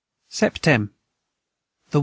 "] SEPTEM. the 1.